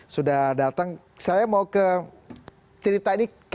sudah datang saya mau ke cerita ini